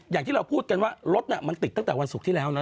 อย่างที่เราพูดกันว่ารถมันติดตั้งแต่วันศุกร์ที่แล้วนะ